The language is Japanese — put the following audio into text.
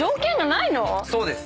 そうです。